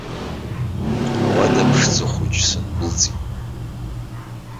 Ауада ԥшӡа хәыҷы сындәылҵит.